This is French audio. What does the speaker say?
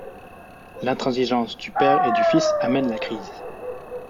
L'intransigeance du père et du fils amène la crise.